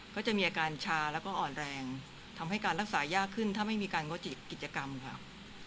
ก็จะมีอาการชาแล้วก็อ่อนแรงทำให้การรักษายากขึ้นถ้าไม่มีการงดกิจกรรมค่ะ